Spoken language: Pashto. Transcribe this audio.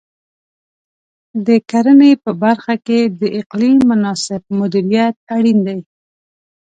د کرنې په برخه کې د اقلیم مناسب مدیریت اړین دی.